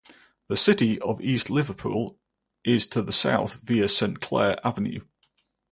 The city of East Liverpool is to the south via Saint Clair Avenue.